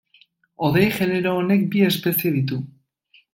Hodei genero honek bi espezie ditu.